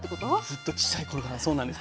ずっとちっちゃい頃からそうなんです。